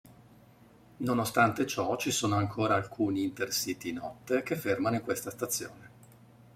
Nonostante ciò ci sono ancora alcuni intercity notte che fermano in questa stazione.